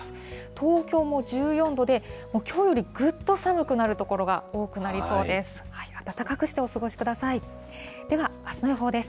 東京も１４度で、きょうよりぐっと寒くなる所が多くなりそうです。